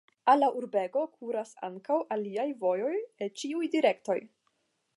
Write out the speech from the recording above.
Al la urbego kuras ankaŭ aliaj vojoj el ĉiuj direktoj.